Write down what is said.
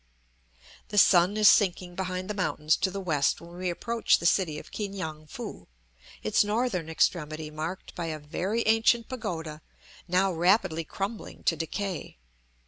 The sun is sinking behind the mountains to the west when we approach the city of Ki ngan foo, its northern extremity marked by a very ancient pagoda now rapidly crumbling to decay.